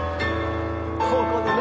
ここでね！